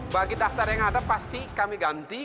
bagi daftar yang ada pasti kami ganti